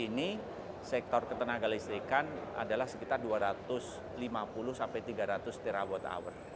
saat ini sektor ketenaga listrik kan adalah sekitar dua ratus lima puluh sampai tiga ratus terawatt hour